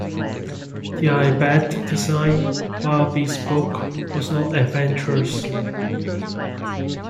The Ibec design, while bespoke, was not adventurous.